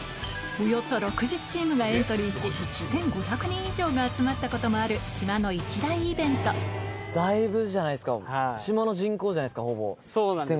およそ６０チームがエントリーし１５００人以上が集まったこともある島の一大イベントだいぶじゃないですか島の人口じゃないですかほぼ。